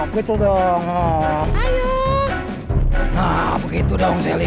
begitu dong nah begitu dong sally